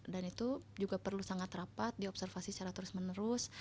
dan itu juga perlu sangat rapat diobservasi secara terus menerus